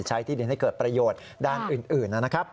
ที่ดินให้เกิดประโยชน์ด้านอื่นนะครับ